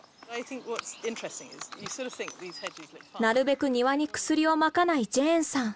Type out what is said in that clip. なるべく庭に薬をまかないジェーンさん。